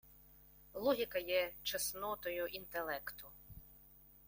Логіка є чеснотою інтелекту.